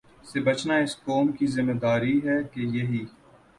سے بچانا اس قوم کی ذمہ داری ہے کہ یہی